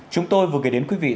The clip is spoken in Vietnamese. chúng tôi vừa kể đến quý vị